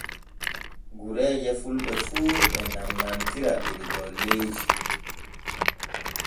Gureeje fulɓe fu e nannantira der golleeji.